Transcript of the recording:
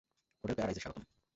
Hotel প্যারাডাইজে স্বাগতম।